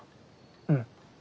うん。